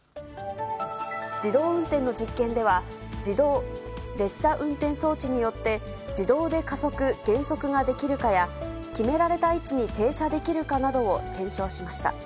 自動運転の実験では、自動列車運転装置によって自動で加速、減速ができるかや、決められた位置に停車できるかなどを検証しました。